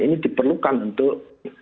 ini diperlukan untuk